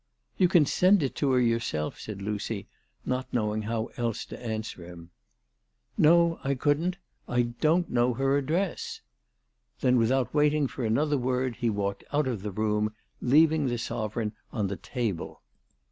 " You can send it her yourself," said Lucy, not knowing how else to answer him. " No, I couldn't. I don't know her address." Then without waiting for another word he walked out of the room, leaving the sovereign on the table.